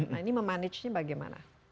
nah ini memanagenya bagaimana